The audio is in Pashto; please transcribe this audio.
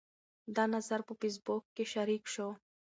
دا نظر په فیسبوک کې شریک شو.